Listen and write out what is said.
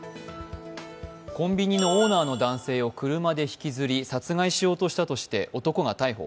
コンビニのオーナーの男性を車で引きずり、殺害しようとしたとして男が逮捕。